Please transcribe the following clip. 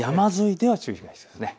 特に山沿いでは注意が必要です。